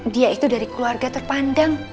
dia itu dari keluarga terpandang